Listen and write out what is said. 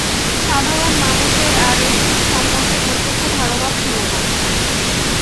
সাধারণ মানুষের আরএসএস সম্পর্কে প্রত্যক্ষ ধারণা ছিল না।